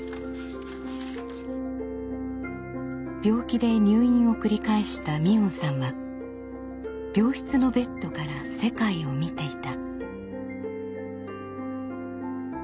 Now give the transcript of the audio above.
病気で入院を繰り返した海音さんは病室のベッドから世界を見ていた。